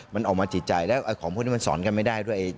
มันออกมาจิตใจแล้วของพวกนี้มันสอนกันไม่ได้ด้วย